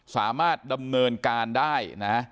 สามารถดำเนินการได้นะ